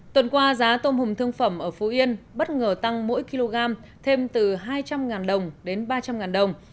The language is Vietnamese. tuần qua giá tôm hùm thương phẩm ở phú yên bất ngờ tăng mỗi kg thêm từ hai trăm linh đồng đến ba trăm linh đồng